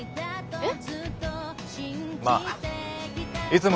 えっ？